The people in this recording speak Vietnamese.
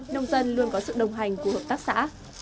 nông dân luôn có sự đồng hành của hợp tác xã